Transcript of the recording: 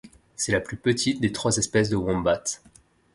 C'est la plus petite des trois espèces de wombat.